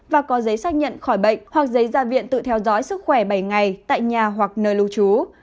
và có giấy xác nhận khỏi bệnh hoặc giấy gia viện tự theo dõi sức khỏe bảy ngày tại nhà hoặc nơi lưu trú